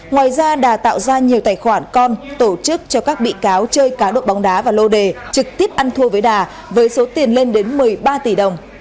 ngoài ra đà tạo ra nhiều tài khoản con tổ chức cho các bị cáo chơi cá độ bóng đá và lô đề trực tiếp ăn thua với đà với số tiền lên đến một mươi ba tỷ đồng